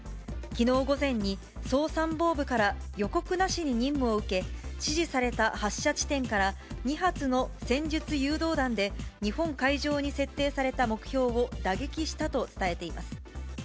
きのう午前に総参謀部から予告なしに任務を受け、指示された発射地点から２発の戦術誘導弾で、日本海上に設定された目標を打撃したと伝えています。